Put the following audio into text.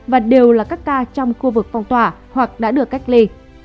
và đều là các ca trong khu vực phong tỏa hoặc đã được cách ly